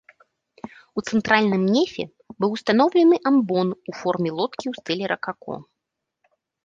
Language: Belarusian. У цэнтральным нефе быў устаноўлены амбон у форме лодкі ў стылі ракако.